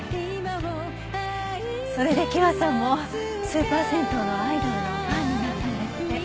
それで希和さんもスーパー銭湯のアイドルのファンになったんですって。